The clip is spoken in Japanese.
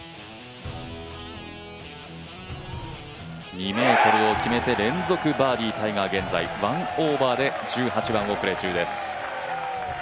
２ｍを決めて連続バーディー、タイガー現在１オーバーで１８番をプレー中です。